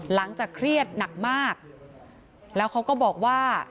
เครียดหนักมากแล้วเขาก็บอกว่า